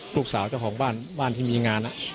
เจ้าของบ้านบ้านที่มีงาน